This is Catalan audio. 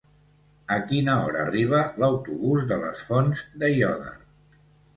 A quina hora arriba l'autobús de les Fonts d'Aiòder?